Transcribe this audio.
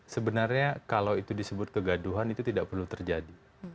sebenarnya kalau itu disebut kegaduhan itu tidak perlu terjadi